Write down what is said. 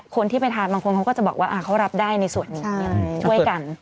คนที่ไปทานบางคนเขาก็จะบอกว่าเขารับได้ในส่วนนี้ช่วยกัน